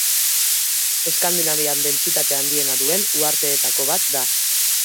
Eskandinavian dentsitate handiena duen uharteetako bat da.